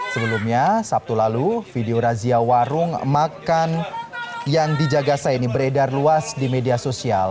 sebelumnya sabtu lalu video razia warung makan yang dijaga saini beredar luas di media sosial